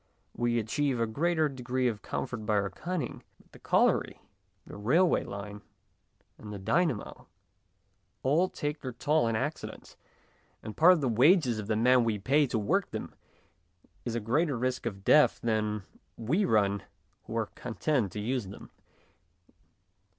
We achieve a greater degree of com fort by our cunning, but the colliery, the railway line, and the dynamo, all take their SUICIDE AND THE STATE 95 toll in accidents, and part of the wages of the men we pay to work them is a greater risk of death than we run who are con tent to use them.